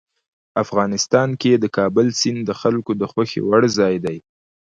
افغانستان کې د کابل سیند د خلکو د خوښې وړ ځای دی.